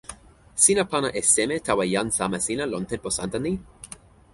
sina pana e seme tawa jan sama sina lon tenpo Santa ni?